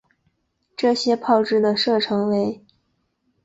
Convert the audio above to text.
这些炮支的射程为。